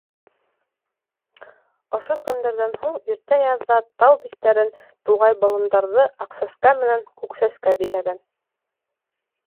Ошо көндәрҙән һуң иртә яҙҙа тау биттәрен, туғай-болондарҙы Аҡсәскә менән Күксәскә биҙәгән.